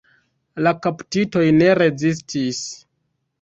La kaptitoj ne rezistis.